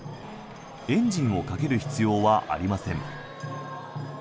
エンジンをかける必要はありません。